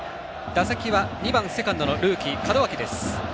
打席は２番セカンドルーキー門脇です。